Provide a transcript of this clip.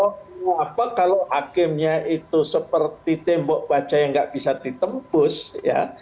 kenapa kalau hakimnya itu seperti tembok baca yang nggak bisa ditembus ya